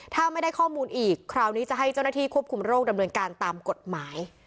ถ้าไม่ได้ข้อมูลอีกคราวนี้จะให้เจ้าหน้าที่ควบคุมโรคดำเนินการตามกฎหมาย